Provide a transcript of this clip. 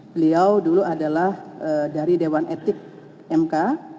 beliau dulu adalah dari dewan etik mk